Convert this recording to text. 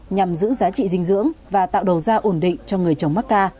nhằm giữ giá trị dinh dưỡng và tạo đầu ra ổn định cho người chồng mắc ca